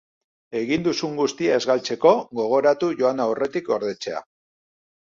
Egin duzun guztia ez galtzeko, gogoratu joan aurretik gordetzea.